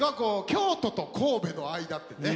「京都と神戸の間」ってね。